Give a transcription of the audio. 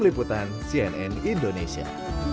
jadi pas aja sih enak juga